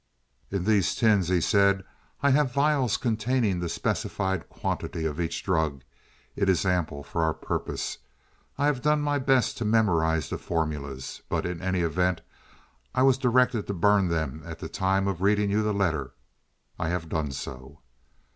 "In these tins," he said, "I have vials containing the specified quantity of each drug. It is ample for our purpose. I have done my best to memorize the formulas. But in any event, I was directed to burn them at the time of reading you the letter. I have done so."